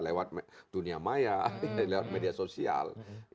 lewat dunia maya lewat media sosial